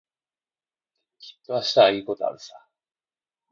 きっと明日はいいことあるさ。